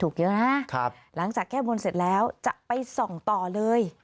เยอะนะหลังจากแก้บนเสร็จแล้วจะไปส่องต่อเลย